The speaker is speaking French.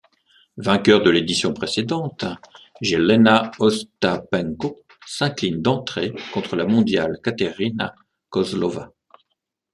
Vainqueur de l'édition précédente, Jeļena Ostapenko s'incline d'entrée contre la mondiale Kateryna Kozlova.